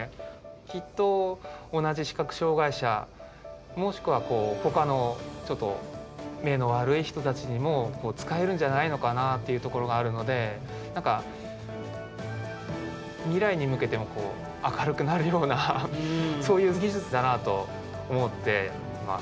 きっと同じ視覚障害者もしくはこうほかのちょっと目の悪い人たちにも使えるんじゃないのかなっていうところがあるので何か未来に向けてもこう明るくなるようなそういう技術だなと思ってます。